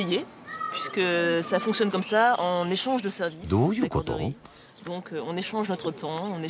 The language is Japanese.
どういうこと？